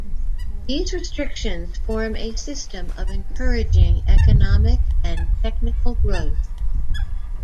These restrictions form a system of encouraging economic and technical growth.